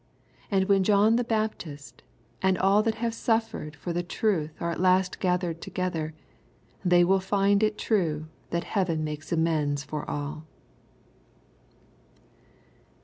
And when John the Baptist, and all who have suffered for the truth are at last gathered together, they will find it true that hearen makes amends for all.